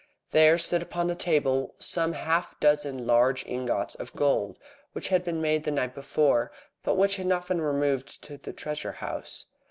There stood upon the glass table some half dozen large ingots of gold, which had been made the night before, but which had not been removed to the treasure house.